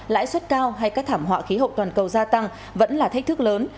lãi suất cao hay các thảm họa khí hậu toàn cầu gia tăng vẫn là thách thức lớn